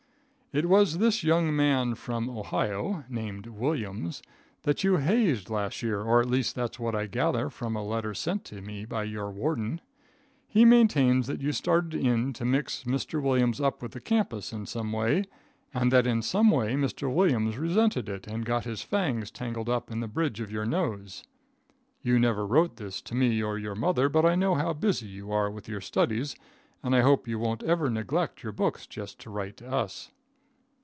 It was this young man from Ohio, named Williams, that you hazed last year, or at least that's what I gether from a letter sent me by your warden. He maintains that you started in to mix Mr. Williams up with the campus in some way, and that in some way Mr. Williams resented it and got his fangs tangled up in the bridge of your nose. You never wrote this to me or to your mother, but I know how busy you are with your studies, and I hope you won't ever neglect your books just to write to us.